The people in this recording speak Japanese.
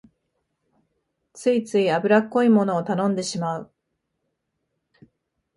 ついつい油っこいものを頼んでしまう